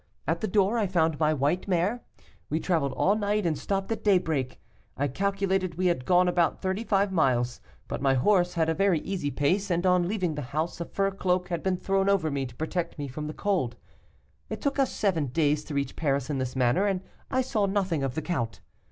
At the door I found my white mare. We traveled all night, and stopped at daybreak. I calculated we had gone about thirty five miles, but my horse had a very easy pace, and on leaving the house a fur cloak had been thrown over me to protect me from the cold. It took us seven days to reach Paris in this manner, and I saw nothing of the count.